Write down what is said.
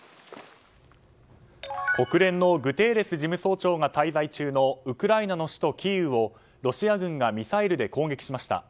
国連のグテーレス事務総長が滞在中のウクライナの首都キーウをロシア軍がミサイルで攻撃しました。